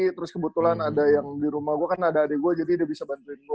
terus kebetulan ada yang di rumah gue kan ada adek gue jadi dia bisa bandingin aja lah